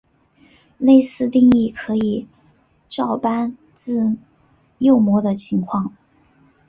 类似定义可以照搬至右模的情况。